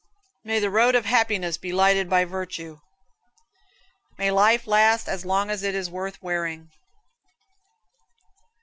May the road of happiness be lighted by virtue. May life last as long as it is worth wearing.